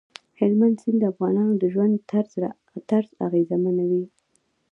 هلمند سیند د افغانانو د ژوند طرز اغېزمنوي.